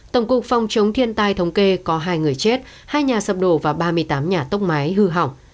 tổng cục phòng chống thiên tai thống kê có hai người chết hai nhà sập đổ và ba mươi tám nhà tốc mái hư hỏng